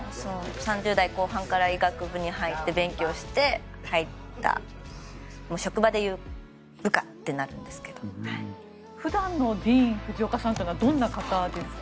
３０代後半から医学部に入って勉強して入った職場で言う部下となるんですけど普段のディーン・フジオカさんはどんな方ですか？